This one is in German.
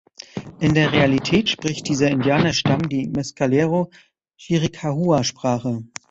In der Realität spricht dieser Indianerstamm die Mescalero-Chiricahua-Sprache.